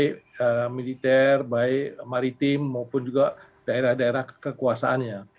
itu merupakan suatu kekuatan baik militer baik maritim maupun juga daerah daerah kekuasaannya